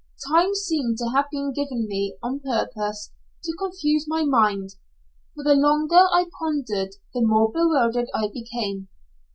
Time seemed to have been given me on purpose to confuse my mind, for the longer I pondered the more bewildered I became.